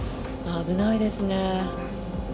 危ないですね。